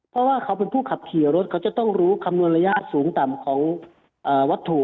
เพราะว่าเขาเป็นผู้ขับขี่รถเขาจะต้องรู้คำนวณระยะสูงต่ำของวัตถุ